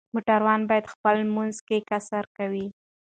موټروان به په خپل لمانځه کې قصر کوي